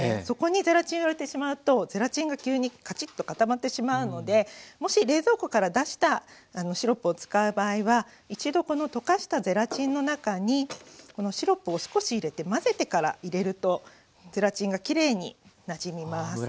そこにゼラチンを入れてしまうとゼラチンが急にカチッと固まってしまうのでもし冷蔵庫から出したシロップを使う場合は一度この溶かしたゼラチンの中にこのシロップを少し入れて混ぜてから入れるとゼラチンがきれいになじみます。